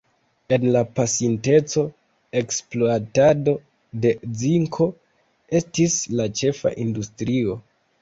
En la pasinteco, ekspluatado de zinko estis la ĉefa industrio.